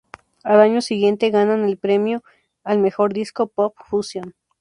Al año siguiente ganan el Premio al mejor disco pop-fusión.